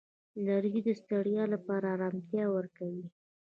لرګی د ستړیا لپاره آرامتیا ورکوي.